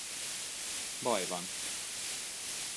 Baj van.